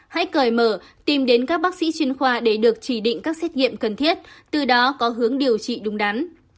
hãy cởi mở tìm đến các bác sĩ chuyên khoa để được chỉ định các xét nghiệm cần thiết từ đó có hướng điều trị đúng đắn